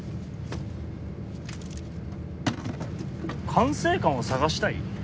管制官を探したい？